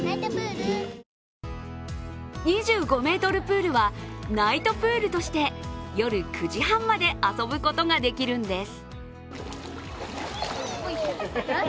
２５ｍプールは、ナイトプールとして夜９時半まで遊ぶことができるんです。